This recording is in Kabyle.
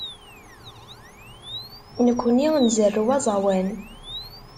Nekkni nzerrew aẓawan.